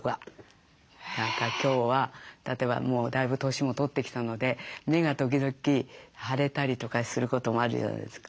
何か今日は例えばもうだいぶ年も取ってきたので目が時々腫れたりとかすることがあるじゃないですか。